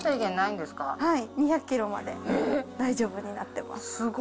はい、２００キロまで大丈夫になってます。